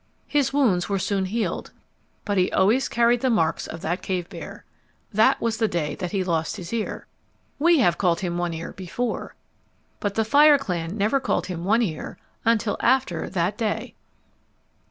His wounds were soon healed, but he always carried the marks of that cave bear. That was the day that he lost his ear. We have called him One Ear before, but the fire clan never called him One Ear until after that day.